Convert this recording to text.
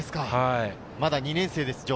まだ２年生です。